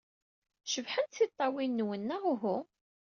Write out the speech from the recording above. Cebḥent tiṭṭawin-nwen, neɣ uhu?